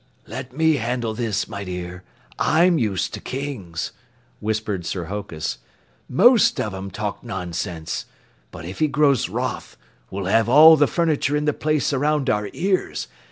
"Let me handle this, my dear. I'm used to Kings," whispered Sir Hokus. "Most of 'em talk nonsense. But if he grows wroth, we'll have all the furniture in the place around our ears.